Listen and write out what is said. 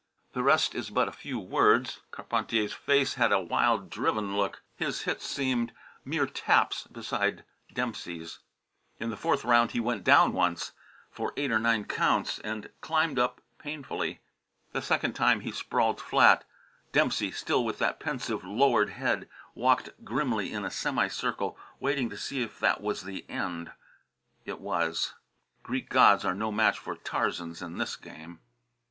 The rest is but a few words. Carpentier's face had a wild, driven look. His hits seemed mere taps beside Dempsey's. In the fourth round he went down once, for eight or nine counts, and climbed up painfully. The second time he sprawled flat; Dempsey, still with that pensive lowered head, walked grimly in a semi circle, waiting to see if that was the end. It was. Greek gods are no match for Tarzans in this game.